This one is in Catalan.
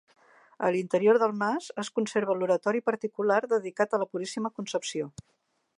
A l'interior del mas, es conserva l'oratori particular dedicat a la Puríssima Concepció.